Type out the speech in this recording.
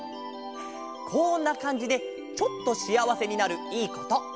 こんなかんじでちょっとしあわせになるいいこと。